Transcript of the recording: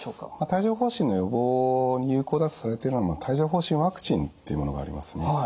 帯状ほう疹の予防に有効だとされているのは帯状ほう疹ワクチンっていうものがありますね。